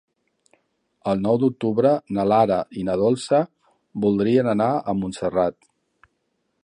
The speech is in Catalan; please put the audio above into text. El nou d'octubre na Lara i na Dolça voldrien anar a Montserrat.